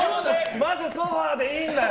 まずソファでいいんだよ。